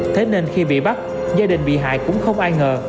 thế nên khi bị bắt gia đình bị hại cũng không ai ngờ